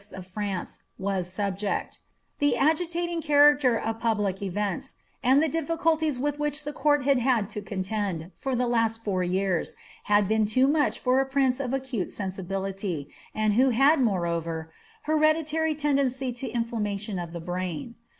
of France, was subject The agitating character of public events, and the difBeulties with which the court hid had to contend, for the last four years, had been too much for a prince of acute sensibility, and who bad, moreover, hereditary tendency to inflammation of the brain.